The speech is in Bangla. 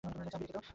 চাবি রেখে যাও।